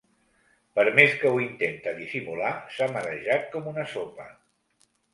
Per més que ho intenta dissimular, s'ha marejat com una sopa.